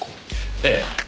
ええ。